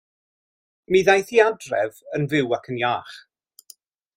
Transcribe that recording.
Mi ddaeth hi adref yn fyw ac yn iach.